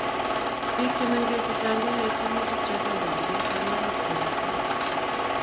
biik chemengech chechang koyae tyemutik choto uwanjet ak oret koyaagis